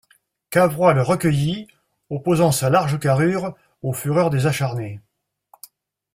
Cavrois le recueillit, opposant sa large carrure aux fureurs des acharnés.